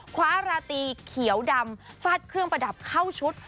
คว้าราตีเขียวดำฟาดเครื่องประดับเข้าชุด